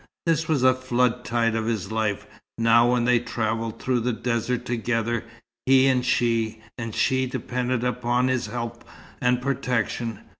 This was the flood tide of his life, now when they travelled through the desert together, he and she, and she depended upon his help and protection.